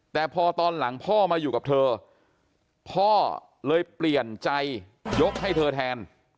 แต่พอตอนหลังพ่อมาอยู่กับเธอพ่อเลยเปลี่ยนใจยกให้เธอแทน